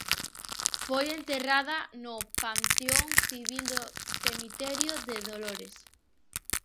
Foi enterrada no Panteón Civil do cemiterio de Dolores.